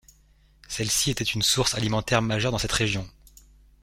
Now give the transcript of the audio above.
Celle-ci était une source alimentaire majeure dans cette région.